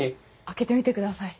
開けてみてください。